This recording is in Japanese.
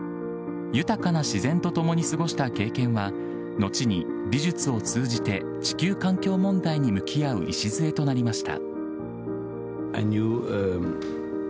豊かな自然とともに過ごした経験は、後に美術を通じて地球環境問題に向き合う礎となりました。